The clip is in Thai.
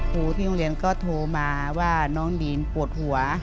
ครูที่โรงเรียนก็โทรมาว่าน้องดีนปวดหัว